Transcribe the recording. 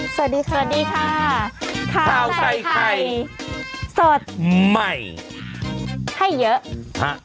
สวัสดีค่ะสวัสดีค่ะข้าวใส่ไข่สดใหม่ให้เยอะฮะ